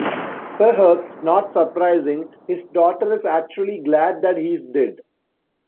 Perhaps not surprising, his daughter is actually glad that he is dead.